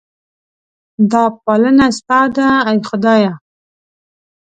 دا پالنه ستا ده ای خدایه.